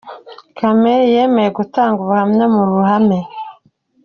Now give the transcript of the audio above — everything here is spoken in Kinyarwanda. Comey yemeye gutanga ubuhamya mu ruhame.